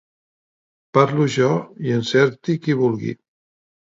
Parlo jo i encerti qui vulgui.